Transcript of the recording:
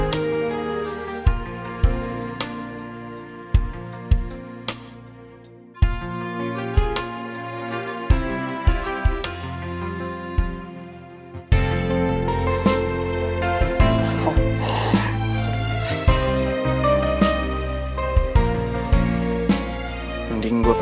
aku jangan lihat saja